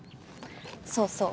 そうそう。